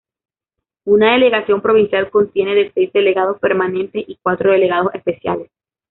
Una delegación provincial contiene de seis delegados permanentes y cuatro delegados especiales.